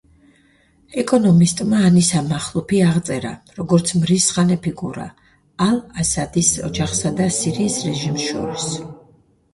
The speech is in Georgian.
ეკონომისტმა ანისა მახლუფი აღწერა, როგორც „მრისხანე ფიგურა“ ალ-ასადის ოჯახსა და სირიის რეჟიმს შორის.